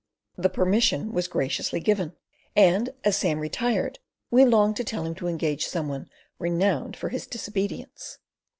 The permission was graciously given, and as Sam retired we longed to tell him to engage some one renowned for his disobedience.